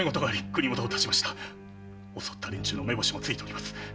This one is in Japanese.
襲った連中の目星もついております。